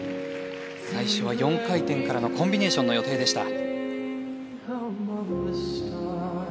最初は４回転からのコンビネーションの予定でした。